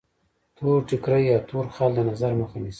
تور ټیکری یا تور خال د نظر مخه نیسي.